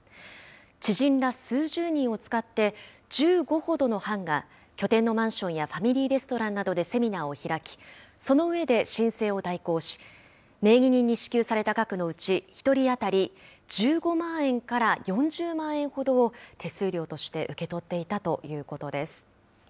知人ら数十人を使って、１５ほどの班が、拠点のマンションやファミリーレストランなどでセミナーを開き、その上で、申請を代行し、名義人に支給された額のうち１人当たり１５万円から４０万円ほどを、手数料として受け取っていたということです。